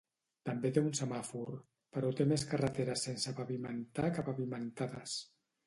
També té un semàfor, però té més carreteres sense pavimentar que pavimentades.